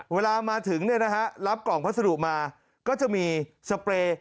เวลามาถึงรับกล่องพัสดุมาก็จะมีสเปรย์